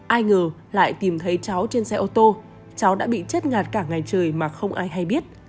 ai ngờ lại tìm thấy cháu trên xe ô tô cháu đã bị chết ngạt cả ngày trời mà không ai hay biết